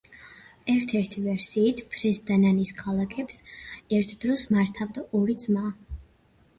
ერთ-ერთი ვერსიით, ფრეს და ნანის ქალაქებს ერთდროს მართავდა ორი ძმა.